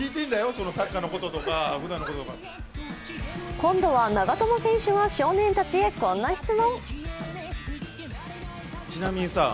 今度は、長友選手が少年たちへこんな質問。